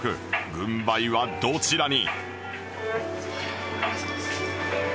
軍配はどちらに？